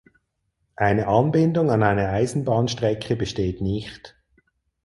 Eine Anbindung an eine Eisenbahnstrecke besteht nicht.